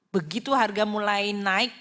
begitu harga mulai naik